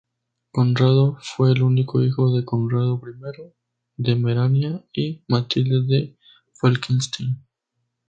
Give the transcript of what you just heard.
Conrado fue el único hijo de Conrado I de Merania, y Matilde de Falkenstein.